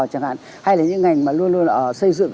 hay là những ngành mà luôn luôn xây dựng